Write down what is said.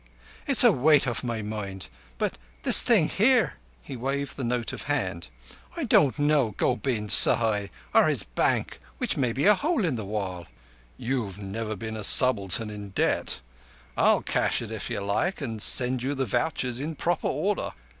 "It's a weight off my mind, but—this thing here?"—he waved the note of hand—"I don't know Gobind Sahai: or his bank, which may be a hole in a wall." "You've never been a subaltern in debt. I'll cash it if you like, and send you the vouchers in proper order."